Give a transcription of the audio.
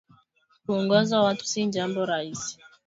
Kuongoza watu si jambo raisi